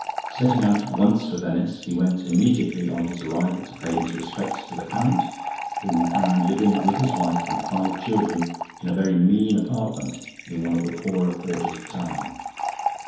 Setting out at once for Venice, he went immediately on his arrival to pay his respects to the count, whom he found living with his wife and five children in a very mean apartment in one of the poorer quarters of the town.